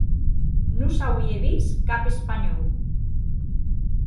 Non s'auie vist cap espanhòu.